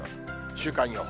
週間予報。